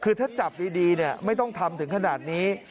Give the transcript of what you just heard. คือถ้าจับดีไม่ต้องทำถึงขนาดนี้